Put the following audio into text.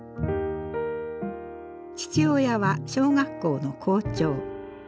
父親は小学校の校長。